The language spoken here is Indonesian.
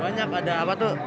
banyak ada apa tuh